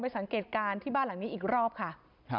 สังเกตการณ์ที่บ้านหลังนี้อีกรอบค่ะ